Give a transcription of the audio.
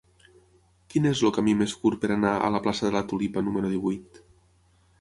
Quin és el camí més curt per anar a la plaça de la Tulipa número divuit?